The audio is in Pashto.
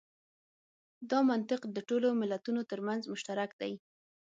دا منطق د ټولو ملتونو تر منځ مشترک دی.